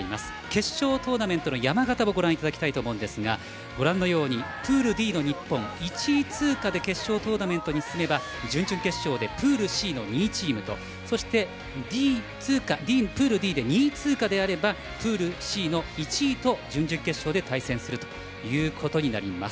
決勝トーナメントの山型をご覧いただきたいと思うんですがご覧のようにプールＤの日本１位通過で決勝トーナメントに進めば準々決勝でプールＣの２位チームとそしてプールＤで２位通過であればプールＣの１位と準々決勝で対戦するということになります。